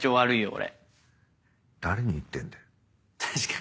俺。